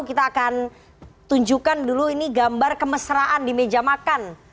kita akan tunjukkan dulu ini gambar kemesraan di meja makan